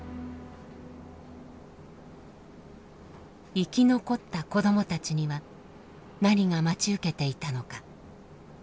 生き残った子どもたちには何が待ち受けていたのか。